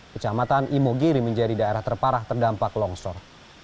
kecamatan imogiri menjadi daerah terparah terdampak longsor